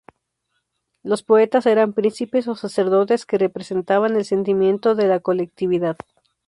Los poetas eran príncipes o sacerdotes que representaban el sentimiento de la colectividad.